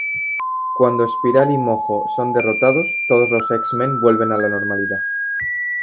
Cuando Espiral y Mojo son derrotados, todos los X-Men vuelven a la normalidad.